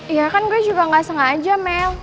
iya kan gue juga gak sengaja mel